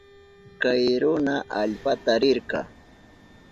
Kay runa allpata rirka.